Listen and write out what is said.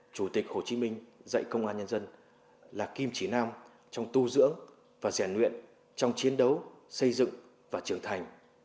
chủ tịch hồ chí minh dạy công an nhân dân là kim chỉ nam trong tu dưỡng và rèn luyện trong chiến đấu xây dựng và trưởng thành